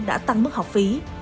đã tăng mức học phí